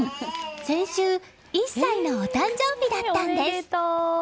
先週１歳のお誕生日だったんです。